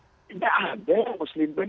tidak ada muslim ban